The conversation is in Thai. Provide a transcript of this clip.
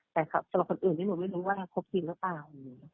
แต่เป็นคนอื่นที่หนูไม่นึกว่าพบพี่แล้วป้าว